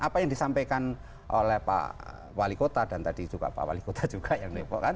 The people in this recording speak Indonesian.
apa yang disampaikan oleh pak wali kota dan tadi juga pak wali kota juga yang depok kan